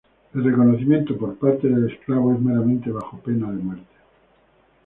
El reconocimiento por parte del esclavo es meramente bajo pena de muerte.